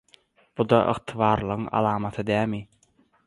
Bu-da ygtybarlylygyň alamaty dälmi?